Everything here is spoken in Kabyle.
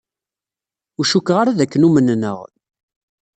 Ur cukkeɣ ara d akken umnen-aɣ.